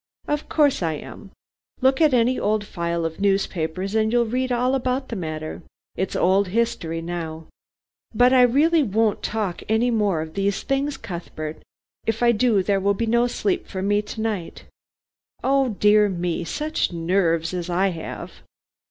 "Of course I am. Look up any old file of newspapers and you'll read all about the matter. It's old history now. But I really won't talk any more of these things, Cuthbert. If I do, there will be no sleep for me to night. Oh dear me, such nerves as I have."